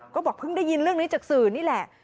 ก็บอกเพิ่งได้ยินเรื่องนี้จากสื่อนี่แหละ